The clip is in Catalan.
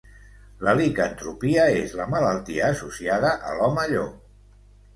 La licantropia és la malaltia associada a l'home llop.